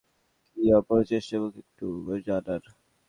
কী আপ্রাণ চেষ্টা মুখে একটু গাম্ভীর্য আনার!